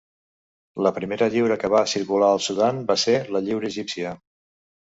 La primera lliura que va circular al Sudan va ser la lliura egípcia.